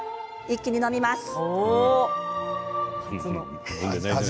一気に飲みます。